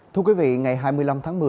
thưa quý vị ngày hai mươi năm tháng một mươi